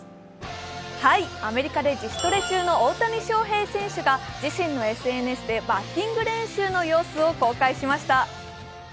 アメリカで自主トレ中の大谷翔平選手が自身のＳＮＳでバッティング練習の様子を公開しました。